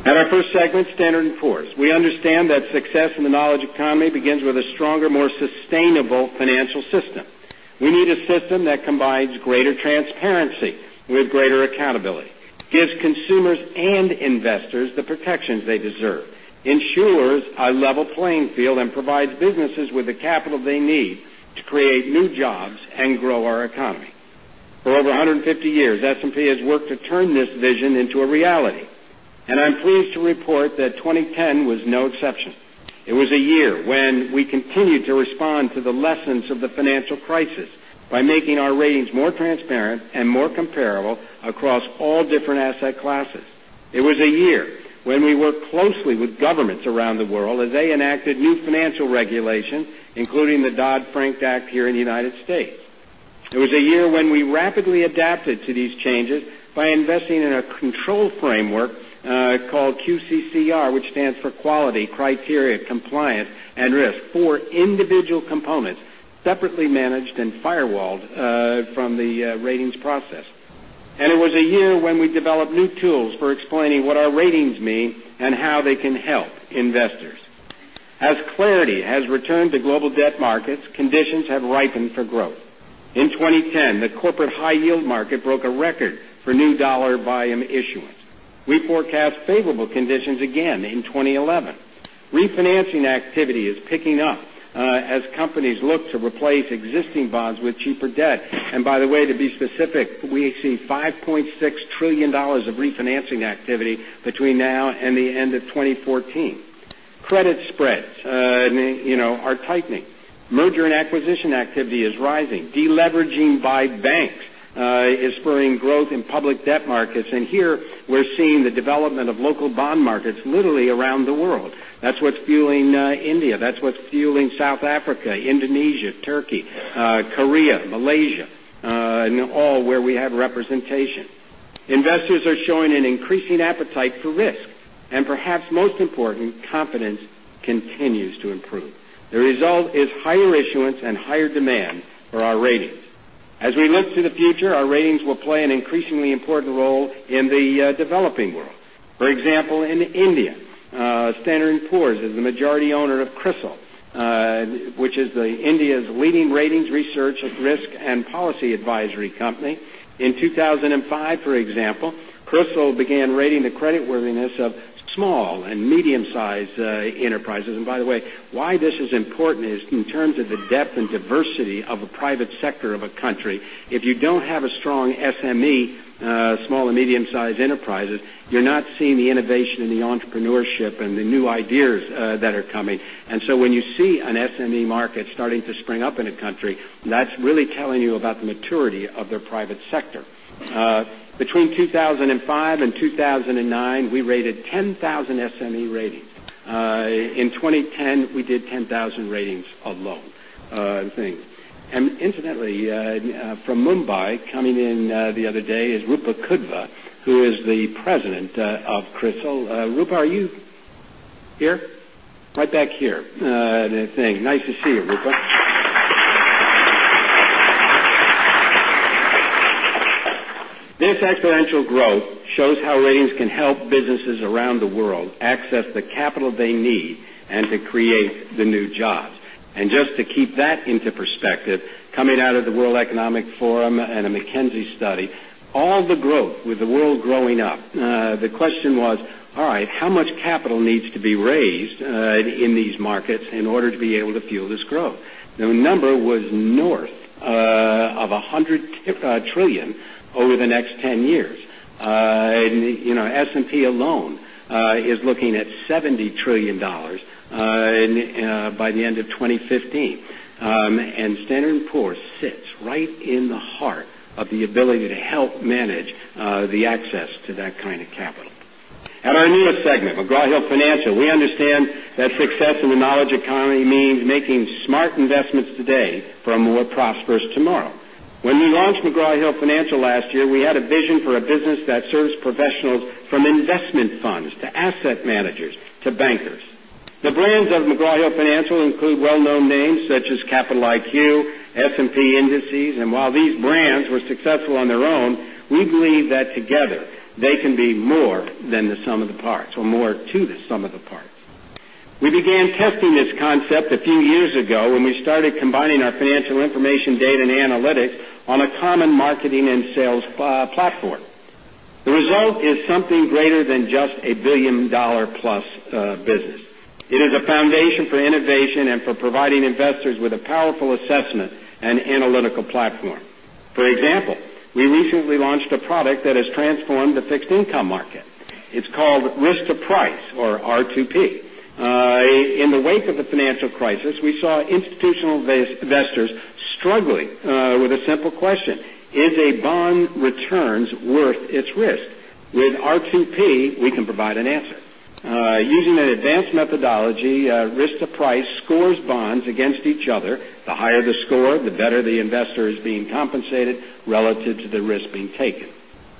At our first segment, Standard & Poor’s, we understand that success in the knowledge economy begins with a stronger, more sustainable financial system. We need a system that combines greater transparency with greater accountability, gives consumers and investors the protections they deserve, ensures a level playing field, and provides businesses with the capital they need to create new jobs and grow our economy. For over 150 years, S&P has worked to turn this vision into a reality. I'm pleased to report that 2010 was no exception. It was a year when we continued to respond to the lessons of the financial crisis by making our ratings more transparent and more comparable across all different asset classes. It was a year when we worked closely with governments around the world as they enacted new financial regulations, including the Dodd-Frank Act here in the U.S. It was a year when we rapidly adapted to these changes by investing in a control framework called QCCR, which stands for Quality, Criteria, Compliance, and Risk, four individual components separately managed and firewalled from the ratings process. It was a year when we developed new tools for explaining what our ratings mean and how they can help investors. As clarity has returned to global debt markets, conditions have ripened for growth. In 2010, the corporate high-yield market broke a record for new dollar volume issuance. We forecast favorable conditions again in 2011. Refinancing activity is picking up as companies look to replace existing bonds with cheaper debt. By the way, to be specific, we see $5.6 trillion of refinancing activity between now and the end of 2014. Credit spreads are tightening. Merger and acquisition activity is rising. Deleveraging by banks is spurring growth in public debt markets. Here, we're seeing the development of local bond markets literally around the world. That's what's fueling India, South Africa, Indonesia, Turkey, Korea, Malaysia, and all where we have representation. Investors are showing an increasing appetite for risk. Perhaps most important, confidence continues to improve. The result is higher issuance and higher demand for our ratings. As we look to the future, our ratings will play an increasingly important role in the developing world. For example, in India, Standard & Poor’s is the majority owner of CRISIL, which is India's leading ratings research, risk, and policy advisory company. In 2005, for example, CRISIL began rating the creditworthiness of small and medium-sized enterprises. Why this is important is in terms of the depth and diversity of a private sector of a country. If you don't have a strong SME, small and medium-sized enterprises, you're not seeing the innovation and the entrepreneurship and the new ideas that are coming. When you see an SME market starting to spring up in a country, that's really telling you about the maturity of their private sector. Between 2005 and 2009, we rated 10,000 SME ratings. In 2010, we did 10,000 ratings alone in things. Incidentally, from Mumbai, coming in the other day is Roopa Kudva, who is the President of CRISIL. Roopa, are you here? Right back here. Nice to see you, Roopa. This exponential growth shows how ratings can help businesses around the world access the capital they need and to create the new jobs. Just to keep that into perspective, coming out of the World Economic Forum and a McKinsey study, all the growth with the world growing up, the question was, all right, how much capital needs to be raised in these markets in order to be able to fuel this growth? The number was north of $100 trillion over the next 10 years. S&P alone is looking at $70 trillion by the end of 2015. Standard & Poor’s sits right in the heart of the ability to help manage the access to that kind of capital. At our newest segment, McGraw Hill Financial, we understand that success in the knowledge economy means making smart investments today for a more prosperous tomorrow. When we launched McGraw Hill Financial last year, we had a vision for a business that serves professionals from investment funds to asset managers to bankers. The brands of McGraw Hill Financial include well-known names such as Capital IQ and S&P indices. While these brands were successful on their own, we believe that together they can be more than the sum of the parts or more to the sum of the parts. We began testing this concept a few years ago when we started combining our financial information, data, and analytics on a common marketing and sales platform. The result is something greater than just a billion-dollar-plus business. It is a foundation for innovation and for providing investors with a powerful assessment and analytical platform. For example, we recently launched a product that has transformed the fixed income market. It's called Risk to Price (R2P). In the wake of the financial crisis, we saw institutional investors struggling with a simple question: Is a bond's return worth its risk? With R2P, we can provide an answer. Using an advanced methodology, Risk to Price scores bonds against each other. The higher the score, the better the investor is being compensated relative to the risk being taken.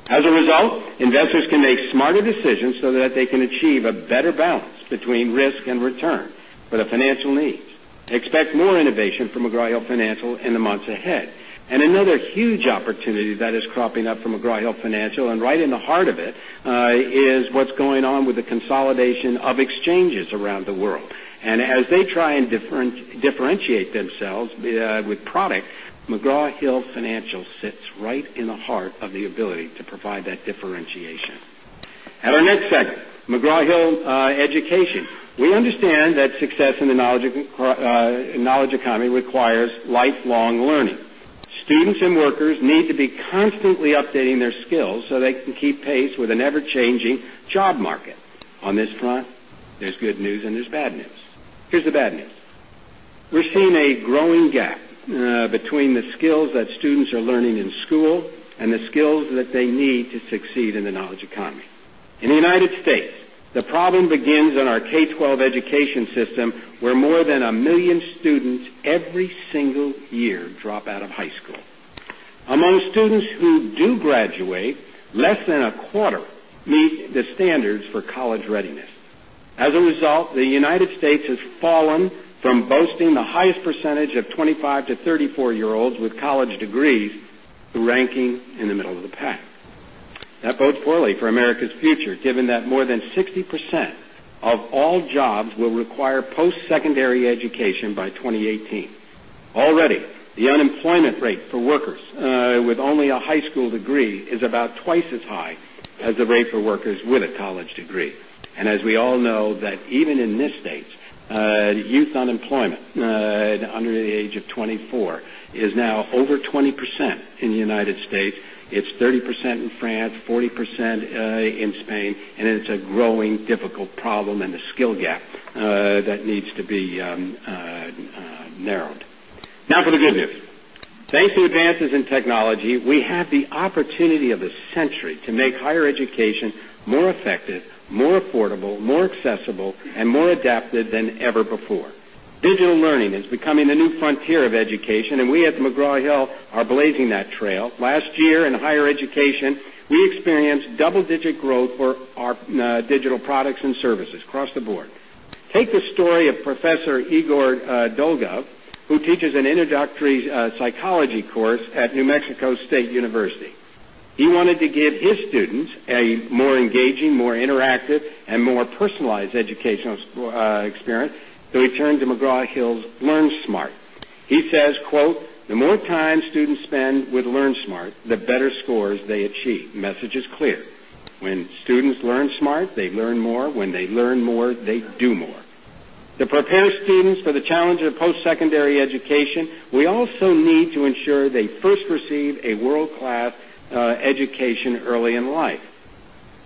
As a result, investors can make smarter decisions so that they can achieve a better balance between risk and return for their financial needs. Expect more innovation from McGraw Hill Financial in the months ahead. Another huge opportunity that is cropping up from McGraw Hill Financial, and right in the heart of it, is what's going on with the consolidation of exchanges around the world. As they try to differentiate themselves with product, McGraw Hill Financial sits right in the heart of the ability to provide that differentiation. At our next segment, McGraw Hill Education, we understand that success in the knowledge economy requires lifelong learning. Students and workers need to be constantly updating their skills so they can keep pace with an ever-changing job market. On this front, there's good news and there's bad news. Here's the bad news. We're seeing a growing gap between the skills that students are learning in school and the skills that they need to succeed in the knowledge economy. In the U.S., the problem begins in our K-12 education system, where more than a million students every single year drop out of high school. Among students who do graduate, less than a quarter meets the standards for college readiness. As a result, the U.S. has fallen from boasting the highest percentage of 25 to 34-year-olds with college degrees, ranking in the middle of the pack. That bodes poorly for America's future, given that more than 60% of all jobs will require post-secondary education by 2018. Already, the unemployment rate for workers with only a high school degree is about twice as high as the rate for workers with a college degree. As we all know, even in this state, youth unemployment under the age of 24 is now over 20% in the U.S. It's 30% in France, 40% in Spain, and it's a growing difficult problem in the skill gap that needs to be narrowed. Now for the good news. Thanks to advances in technology, we have the opportunity of the century to make higher education more effective, more affordable, more accessible, and more adaptive than ever before. Digital learning is becoming a new frontier of education, and we at McGraw Hill are blazing that trail. Last year in higher education, we experienced double-digit growth for our digital products and services across the board. Take the story of Professor Igor Dolgov, who teaches an introductory psychology course at New Mexico State University. He wanted to give his students a more engaging, more interactive, and more personalized educational experience, so he turned to McGraw Hill's LearnSmart. He says, "The more time students spend with LearnSmart, the better scores they achieve." Message is clear. When students learn smart, they learn more. When they learn more, they do more. To prepare students for the challenge of post-secondary education, we also need to ensure they first receive a world-class education early in life.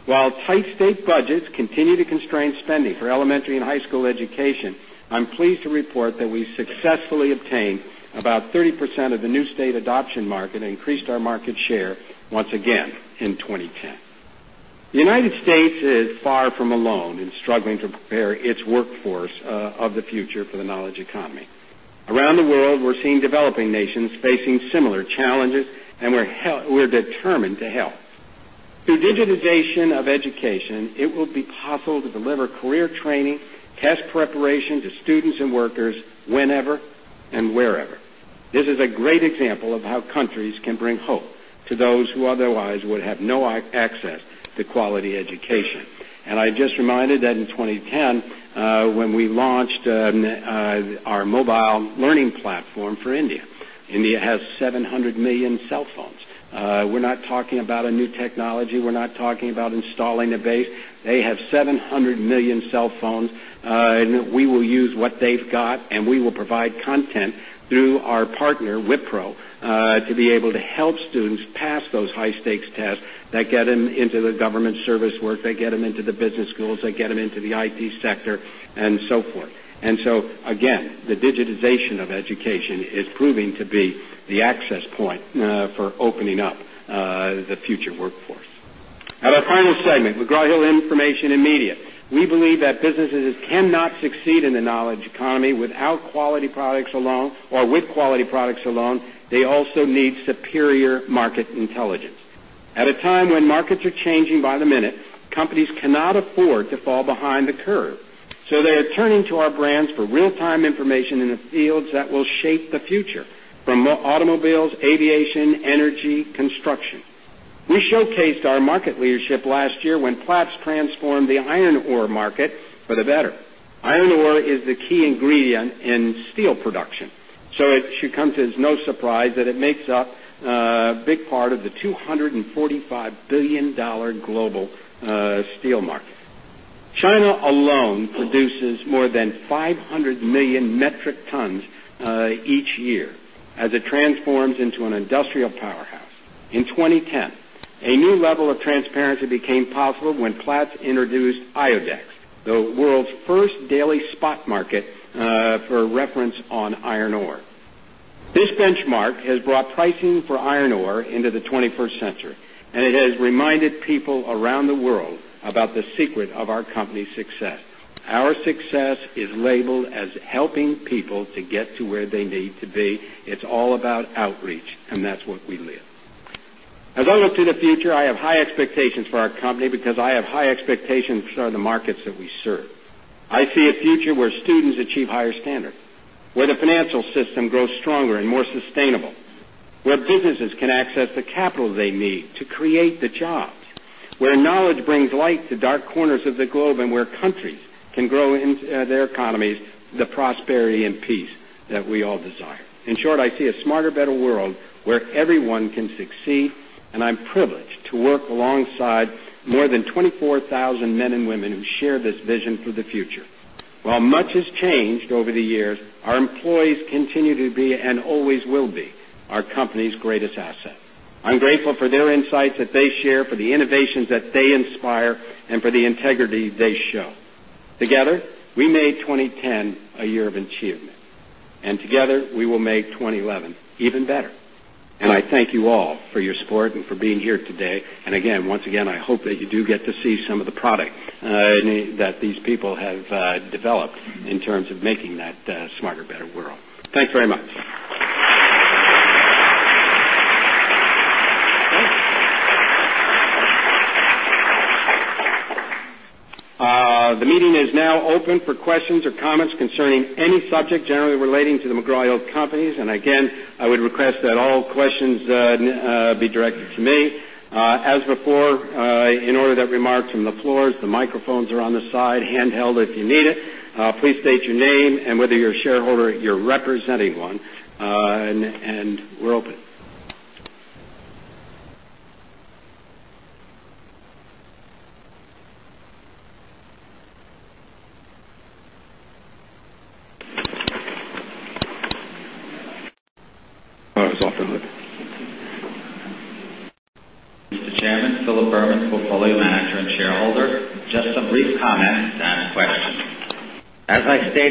While tight state budgets continue to constrain spending for elementary and high school education, I'm pleased to report that we successfully obtained about 30% of the new state adoption market and increased our market share once again in 2010. The U.S. is far from alone in struggling to prepare its workforce of the future for the knowledge economy. Around the world, we're seeing developing nations facing similar challenges, and we're determined to help. Through digitization of education, it will be possible to deliver career training, test preparation to students and workers whenever and wherever. This is a great example of how countries can bring hope to those who otherwise would have no access to quality education. I just reminded that in 2010, when we launched our mobile learning platform for India, India has 700 million cell phones. We're not talking about a new technology. We're not talking about installing a base. They have 700 million cell phones, and we will use what they've got, and we will provide content through our partner, Wipro, to be able to help students pass those high-stakes tests that get them into the government service work, that get them into the business schools, that get them into the IT sector, and so forth. The digitization of education is proving to be the access point for opening up the future workforce. At our final segment, McGraw Hill Information & Media, we believe that businesses cannot succeed in the knowledge economy with quality products alone. They also need superior market intelligence. At a time when markets are changing by the minute, companies cannot afford to fall behind the curve. They are turning to our brands for real-time information in the fields that will shape the future, from automobiles, aviation, energy, and construction. We showcased our market leadership last year when Platts transformed the iron ore market for the better. Iron ore is the key ingredient in steel production. It should come as no surprise that it makes up a big part of the $245 billion global steel market. China alone produces more than 500 million metric tons each year as it transforms into an industrial powerhouse. In 2010, a new level of transparency became possible when Platts introduced IODEX, the world's first daily spot market for reference on iron ore. This benchmark has brought pricing for iron ore into the 21st century, and it has reminded people around the world about the secret of our company's success. Our success is labeled as helping people to get to where they need to be. It's all about outreach, and that's what we live. As I look to the future, I have high expectations for our company because I have high expectations for the markets that we serve. I see a future where students achieve higher standards, where the financial system grows stronger and more sustainable, where businesses can access the capital they need to create the jobs, where knowledge brings light to dark corners of the globe, and where countries can grow in their economies the prosperity and peace that we all desire. In short, I see a smarter, better world where everyone can succeed, and I'm privileged to work alongside more than 24,000 men and women who share this vision for the future. While much has changed over the years, our employees continue to be and always will be our company's greatest asset. I'm grateful for their insights that they share, for the innovations that they inspire, and for the integrity they show. Together, we made 2010 a year of achievement. Together, we will make 2011 even better. I thank you all for your support and for being here today. Once again, I hope that you do get to see some of the product that these people have developed in terms of making that smarter, better world. Thanks very much. The meeting is now open for questions or comments concerning any subject generally relating to The McGraw Hill Companies. I would request that all questions be directed to me. In order that remarks from the floor, the microphones are on the side, handheld if you need it. Please state your name and whether you're a shareholder or you're representing one, and we're open.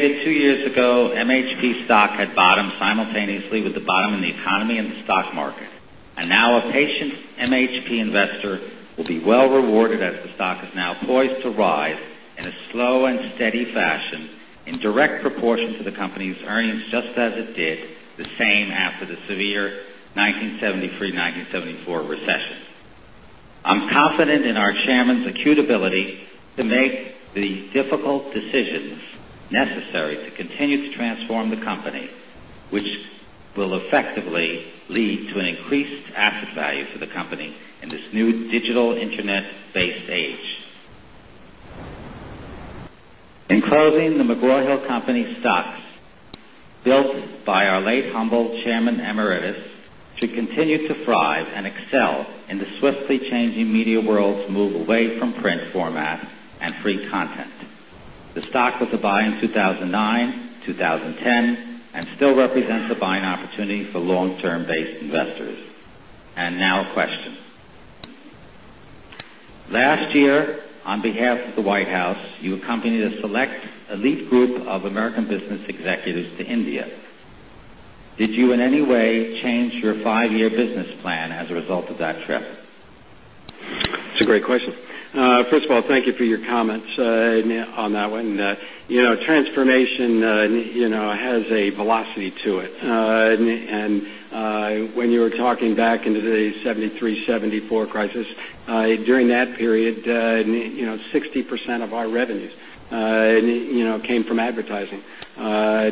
All right. It's off the hood. Chairman, Philip Berman, Portfolio Manager and shareholder. Just some brief comments and questions. As I stated two years ago, MHP stock had bottomed simultaneously with the bottom in the economy and the stock market. A patient MHP investor will be well rewarded as the stock is now poised to rise in a slow and steady fashion in direct proportion to the company's earnings, just as it did the same after the severe 1973-1974 recessions. I'm confident in our Chairman's acute ability to make the difficult decisions necessary to continue to transform the company, which will effectively lead to an increased asset value for the company in this new digital internet-based age. In closing, the McGraw Hill Company stocks built by our late humble Chairman Emeritus should continue to thrive and excel in the swiftly changing media world's move away from print format and free content. The stock was a buy in 2009, 2010, and still represents a buying opportunity for long-term-based investors. Now, questions. Last year, on behalf of the White House, you accompanied a select elite group of American business executives to India. Did you in any way change your five-year business plan as a result of that trip? It's a great question. First of all, thank you for your comments on that one. You know, transformation has a velocity to it. When you were talking back into the 1973, 1974 crisis, during that period, you know, 60% of our revenues came from advertising.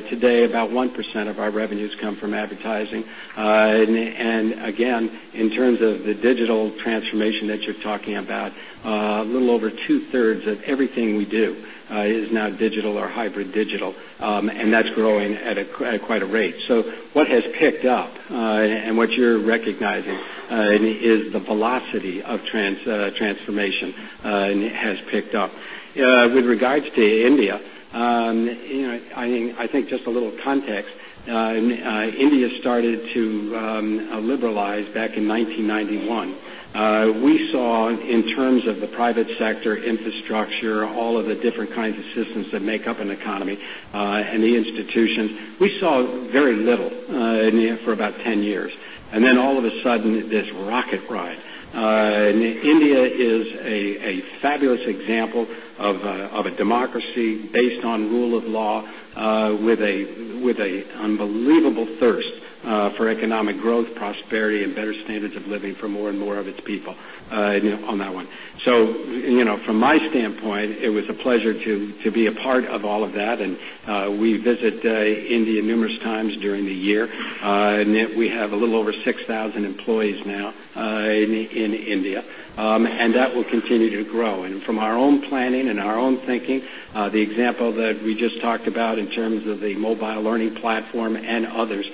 Today, about 1% of our revenues come from advertising. Again, in terms of the digital transformation that you're talking about, a little over two-thirds of everything we do is now digital or hybrid digital, and that's growing at quite a rate. What has picked up and what you're recognizing is the velocity of transformation, and it has picked up. With regards to India, I think just a little context. India started to liberalize back in 1991. We saw, in terms of the private sector infrastructure, all of the different kinds of systems that make up an economy and the institutions, we saw very little for about 10 years. Then all of a sudden, this rocket ride. India is a fabulous example of a democracy based on rule of law with an unbelievable thirst for economic growth, prosperity, and better standards of living for more and more of its people on that one. From my standpoint, it was a pleasure to be a part of all of that. We visit India numerous times during the year. We have a little over 6,000 employees now in India, and that will continue to grow. From our own planning and our own thinking, the example that we just talked about in terms of the mobile learning platform and others,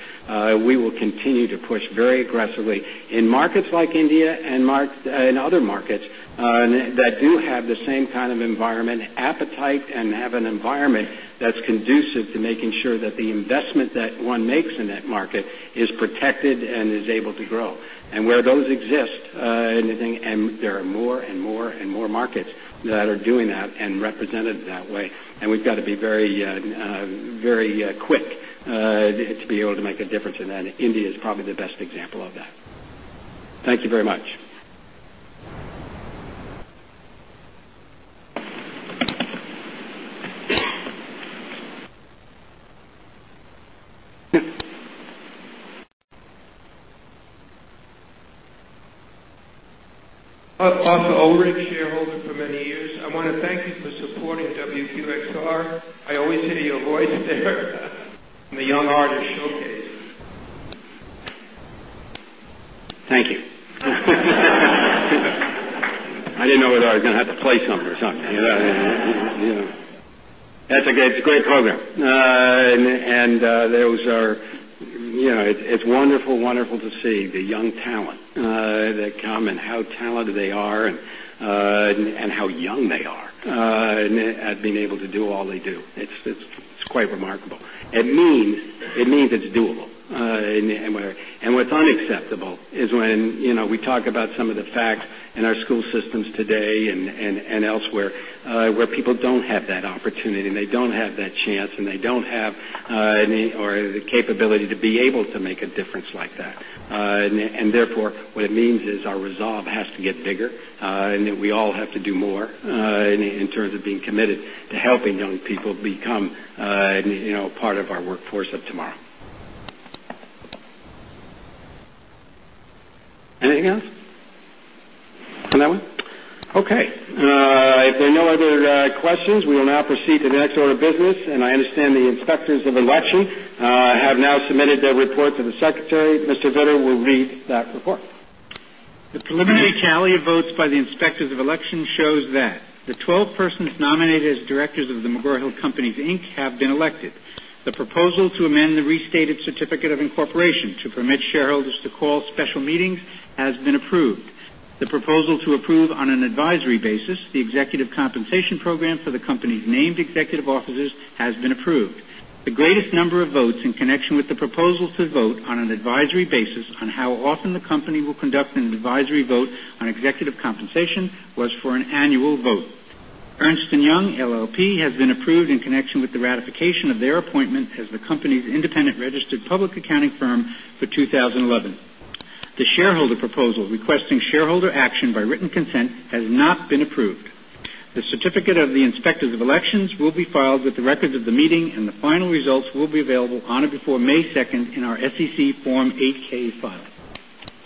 we will continue to push very aggressively in markets like India and in other markets that do have the same kind of environment and appetite and have an environment that's conducive to making sure that the investment that one makes in that market is protected and is able to grow. Where those exist, and there are more and more and more markets that are doing that and represented that way. We've got to be very quick to be able to make a difference in that. India is probably the best example of that. Thank you very much. Also, Alrich, shareholder for many years. I want to thank you for supporting WQXR. I always hear your voice there. I'm a Young Artists Showcase. Thank you. I didn't know whether I was going to have to play something or something. That's a great program. It was wonderful to see the young talent that come and how talented they are and how young they are at being able to do all they do. It's quite remarkable. It means it's doable. What's unacceptable is when we talk about some of the facts in our school systems today and elsewhere where people don't have that opportunity and they don't have that chance and they don't have the capability to be able to make a difference like that. Therefore, what it means is our resolve has to get bigger and that we all have to do more in terms of being committed to helping young people become part of our workforce of tomorrow. Anything else for that one? Okay. If there are no other questions, we will now proceed to the next order of business. I understand the inspectors of election have now submitted their reports to the secretary. Mr. Vittor will read that report. The preliminary tally of votes by the inspectors of election shows that the 12 persons nominated as directors of The McGraw Hill Companies, Inc. have been elected. The proposal to amend the restated certificate of incorporation to permit shareholders to call special meetings has been approved. The proposal to approve on an advisory basis the executive compensation program for the company's named executive officers has been approved. The greatest number of votes in connection with the proposal to vote on an advisory basis on how often the company will conduct an advisory vote on executive compensation was for an annual vote. Ernst & Young LLP has been approved in connection with the ratification of their appointment as the company's independent registered public accounting firm for 2011. The shareholder proposal regarding written consent has not been approved. The certificate of the inspectors of election will be filed with the records of the meeting, and the final results will be available on or before May 2 in our SEC Form 8-K filing.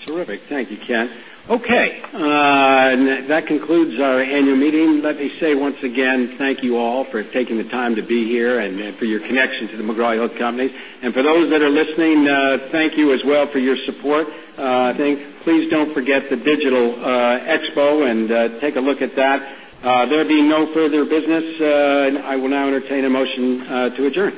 Terrific. Thank you, Ken. Okay. That concludes our annual meeting. Let me say once again, thank you all for taking the time to be here and for your connection to McGraw Hill Company. For those that are listening, thank you as well for your support. Please don't forget the Digital Expo and take a look at that. There will be no further business, and I will now entertain a motion to adjourn.